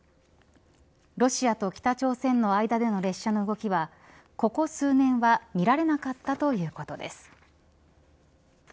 ロシアと北朝鮮の間での列車の動きはここ数年は見られなかったということです。